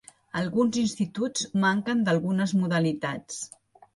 Alguns instituts manquen d'algunes modalitats.